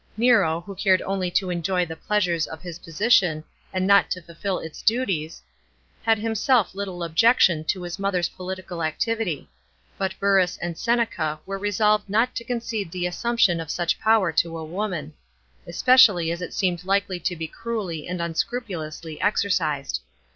Nero, who cared only to enjoy the pleasures of * Merivale. vi. 270. 276 THE PRIXCIPATE OF NERO. CHAP. xvn. his position, and not to fulfil its duties, had himself little objection to his mother's political activity ; but Burrus and Seneca were resolved not to concede the assumption of such power to a woman, especially as it seemed likely to be cruelly and unscrupulously exercised.